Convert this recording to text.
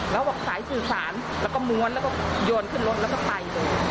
แล้วบอกสายสื่อสารแล้วก็ม้วนแล้วก็โยนขึ้นรถแล้วก็ไปเลย